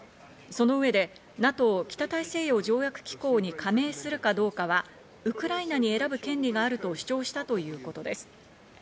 その上でＮＡＴＯ＝北大西洋条約機構に加盟するかどうかはウクライナに選ぶ権利があると主張したということです。